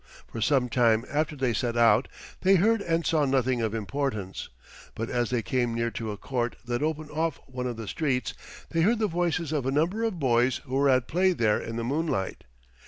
For some time after they set out they heard and saw nothing of importance, but as they came near to a court that opened off one of the streets they heard the voices of a number of boys who were at play there in the moonlight.